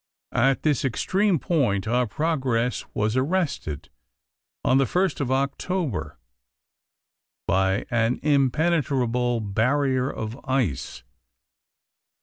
At this extreme point our progress was arrested on the 1st of October by an impenetrable barrier of ice.